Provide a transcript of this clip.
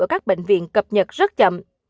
ở các bệnh viện cập nhật rất chậm